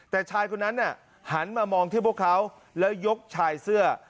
แต่ชายคนนั้นหันมามองที่พวกเขาแล้วยกชายเสื้อ